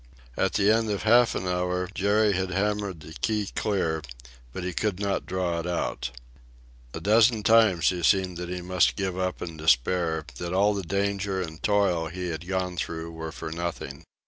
At the end of half an hour Jerry had hammered the key clear, but he could not draw it out. A dozen times it seemed that he must give up in despair, that all the danger and toil he had gone through were for nothing.